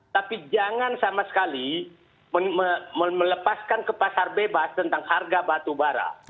tapi jangan sama sekali melepaskan ke pasar bebas tentang harga batubara